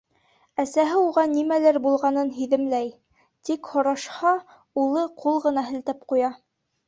Әсәһе уға нимәлер булғанын һиҙемләй, тик һорашһа, улы ҡул ғына һелтәп ҡуя.